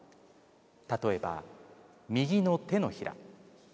例えば右の手のひら。